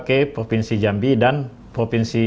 ke provinsi jambi dan provinsi